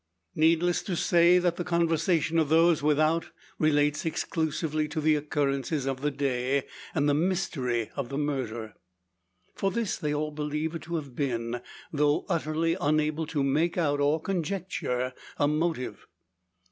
Needless to say, that the conversation of those without relates exclusively to the occurrences of the day, and the mystery of the murder. For this, they all believe it to have been; though utterly unable to make out, or conjecture a motive.